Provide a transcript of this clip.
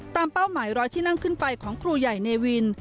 เป้าหมายร้อยที่นั่งขึ้นไปของครูใหญ่เนวิน